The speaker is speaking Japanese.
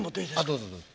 どうぞどうぞ。